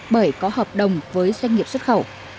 bởi có hợp đồng với doanh nghiệp xuất khẩu